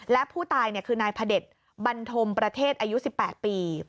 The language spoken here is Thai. และผู้ตายคือนายพระเด็จบันทมประเทศอายุ๑๘ปี